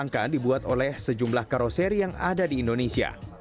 kelangkaan dibuat oleh sejumlah karoseri yang ada di indonesia